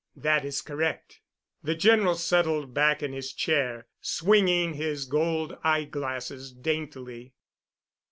"That is correct." The General settled back in his chair, swinging his gold eyeglasses daintily.